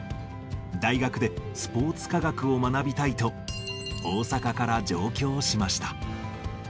大学でスポーツ科学を学びたいと、大阪から上京しました。